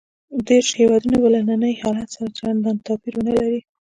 دېرش هېوادونه به له ننني حالت سره چندان توپیر ونه لري.